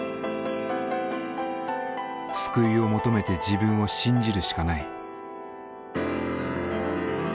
救いを求めて自分を信じるしかない。